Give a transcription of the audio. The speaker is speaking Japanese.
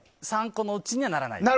３個のうちにはならない。